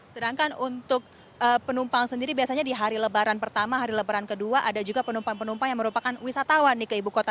sedangkan untuk penumpang sendiri biasanya di hari lebaran pertama hari lebaran kedua ada juga penumpang penumpang yang merupakan wisatawan di ke ibu kota